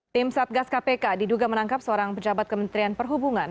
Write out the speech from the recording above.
tim satgas kpk diduga menangkap seorang pejabat kementerian perhubungan